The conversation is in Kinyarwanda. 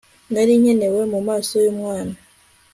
nari nkenewe mumaso yumwana